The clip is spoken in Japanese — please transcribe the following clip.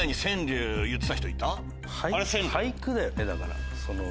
俳句だよねだから。